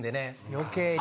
余計に。